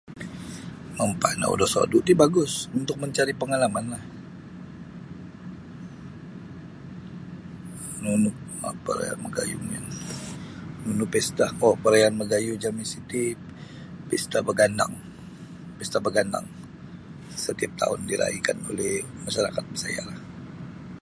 Mampanau da sodu ti bagus untuk mancari pangalamanlah nunu apalah yang magayuh muyun nunu pesta perayaan magayuh jami siti Pesta Bagandang Pesta Bagandang setiap taun diraikan oleh masarakat Bisayalah.